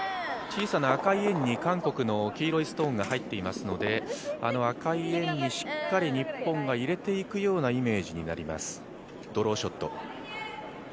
小さな赤い円に韓国の黄色いストーンが入っていますのであの赤い円にしっかり日本が入れていくようなイメージになります、ドローショット。